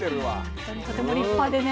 本当にとても立派でね